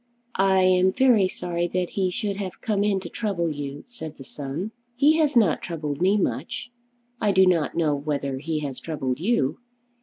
"I am very sorry that he should have come in to trouble you," said the son. "He has not troubled me much. I do not know whether he has troubled you.